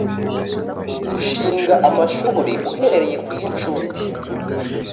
gushinga amashuri uhereye ku y incuke